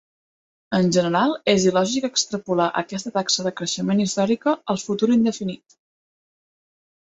En general, és il·lògic extrapolar aquesta taxa de creixement històrica al futur indefinit.